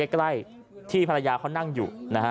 ใกล้ที่ภรรยาเขานั่งอยู่นะฮะ